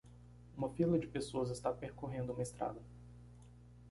Uma fila de pessoas está percorrendo uma estrada.